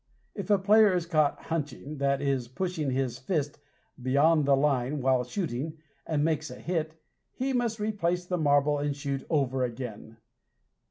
If a player is caught "hunching," that is, pushing his fist beyond the line while shooting, and makes a hit, he must replace the marble and shoot over again.